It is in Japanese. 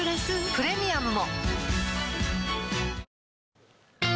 プレミアムも